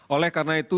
oleh karena itu